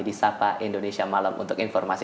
di sapa indonesia malam untuk informasi